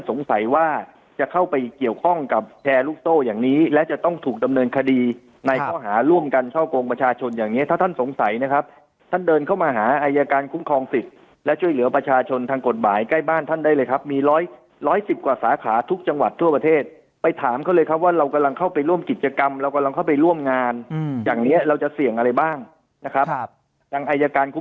โกงประชาชนร่วมกันเช่าโกงประชาชนร่วมกันเช่าโกงประชาชนร่วมกันเช่าโกงประชาชนร่วมกันเช่าโกงประชาชนร่วมกันเช่าโกงประชาชนร่วมกันเช่าโกงประชาชนร่วมกันเช่าโกงประชาชนร่วมกันเช่าโกงประชาชนร่วมกันเช่าโกงประชาชนร่วมกันเช่าโกงประชาชนร่วมกันเช่าโ